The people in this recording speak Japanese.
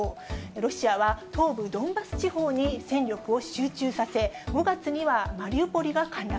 ロシアは東部ドンバス地方に戦力を集中させ、５月にはマリウポリが陥落。